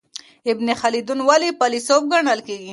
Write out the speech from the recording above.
ابن خلدون ولي فیلسوف ګڼل کیږي؟